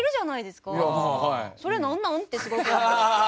それなんなん？ってすごく思う。